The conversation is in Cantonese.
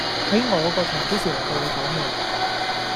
喺我個場幾時輪到你講嘢